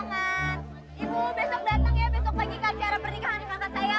ibu besok datang ya besok pagi kacara pernikahan dengan kakak saya